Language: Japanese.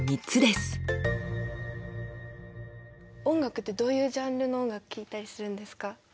音楽ってどういうジャンルの音楽聴いたりするんですか？